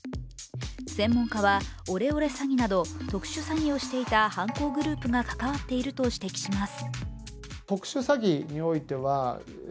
専門家はオレオレ詐欺など特殊詐欺をしていた犯行グループが関わっていたと指摘します。